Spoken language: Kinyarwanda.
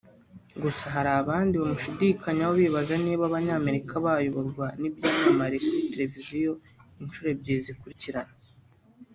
Gusa hari abandi bamushidikanyagaho bibaza niba Abanyamerika bayoborwa n’ibyamamare kuri Televiziyo inshuro ebyiri zikurikirana